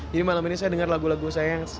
jadi malam ini saya dengar lagu lagu saya yang